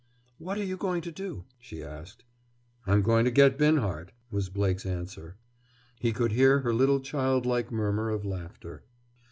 "What are you going to do?" she asked. "I'm going to get Binhart," was Blake's answer. He could hear her little childlike murmur of laughter.